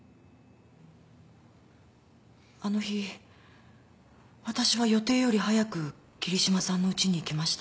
あの日私は予定より早く桐島さんのうちに行きました。